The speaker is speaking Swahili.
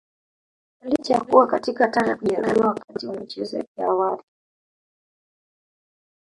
Licha ya kuwa katika hatari ya kujeruhiwa wakati wa michezo yake ya awali